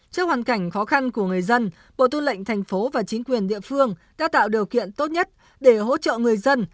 trước hoàn cảnh khó khăn của người dân bộ tư lệnh thành phố và chính quyền địa phương đã tạo điều kiện tốt nhất để hỗ trợ người dân